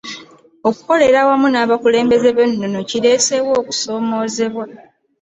Okukolera awamu n’abakulembeze b’ennono kireeseewo okusoomoozebwa.